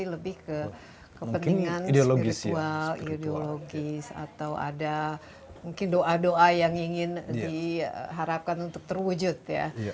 yang jelas bukan untuk kepentingan praktis tapi lebih ke kepentingan spiritual ideologis atau ada doa doa yang ingin diharapkan untuk terwujud